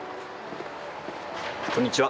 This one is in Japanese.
こんにちは。